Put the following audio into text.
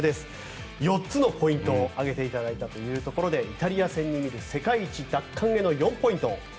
４つのポイントを挙げていただいたというところでイタリア戦に見る世界一奪還への４ポイント